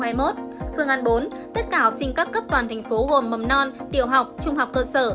phương án bốn tất cả học sinh các cấp toàn thành phố gồm mầm non tiểu học trung học cơ sở